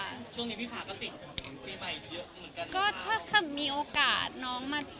ช่วงนี้พี่พาก็ติดปีใหม่เยอะเหมือนกันก็ถ้ามีโอกาสน้องมา